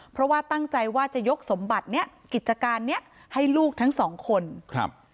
เพราะว่าตั้งใจว่าจะยกสมบัติเนี้ยกิจการเนี้ยให้ลูกทั้งสองคนครับ